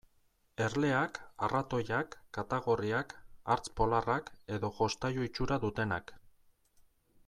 Erleak, arratoiak, katagorriak, hartz polarrak edo jostailu itxura dutenak.